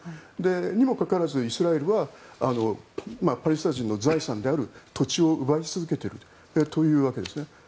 にもかかわらず、イスラエルはパレスチナ人の財産である土地を奪い続けているというわけです。